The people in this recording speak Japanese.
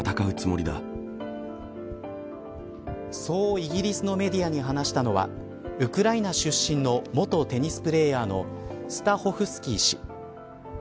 そうイギリスのメディアに話したのはウクライナ出身の元テニスプレーヤーのスタホフスキー氏。